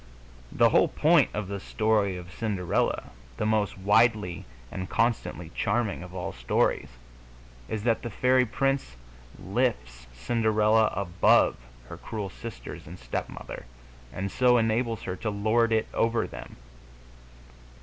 The whole point of the story of Cinderella, the most widely and constantly charming of all stories, is that the Fairy Prince lifts Cinderella above her cruel sisters and stepmother, and so enables her to lord it over them.